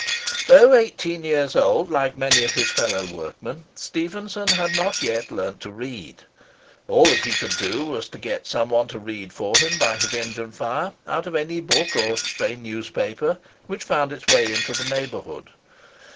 Though eighteen years old, like many of his fellow workmen, Stephenson had not yet learnt to read. All that he could do was to get some one to read for him by his engine fire, out of any book or stray newspaper which found its way into the neighbourhood.